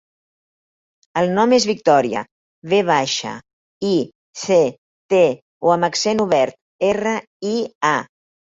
El nom és Victòria: ve baixa, i, ce, te, o amb accent obert, erra, i, a.